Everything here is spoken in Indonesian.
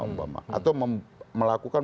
umpama atau melakukan